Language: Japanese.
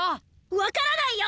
わからないよ！